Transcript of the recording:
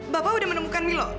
bapak sudah menemukan milo